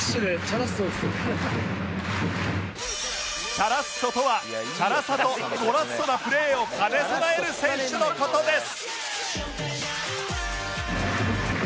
チャラッソとはチャラさとゴラッソなプレーを兼ね備える選手の事です